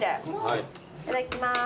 いただきます。